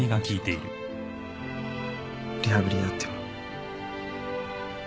リハビリやっても。